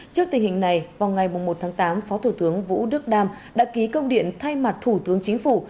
trước tình hình này vào ngày một tháng tám phó thủ tướng vũ đức đam đã ký công điện thay mặt thủ tướng chính phủ